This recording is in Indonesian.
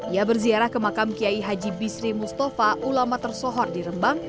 ia berziarah ke makam kiai haji bisri mustafa ulama tersohor di rembang